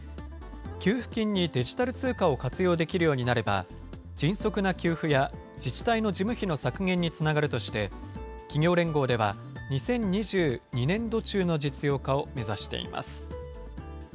給付金にデジタル通貨を活用できるようになれば、迅速な給付や、自治体の事務費の削減につながるとして、企業連合では２０２０年度中の実用化を目指しています。